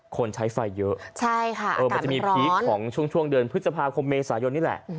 คนใช้ไฟเยอะมันจะมีพีคของช่วงเดือนพฤษภาคมเมษายนนี่แหละ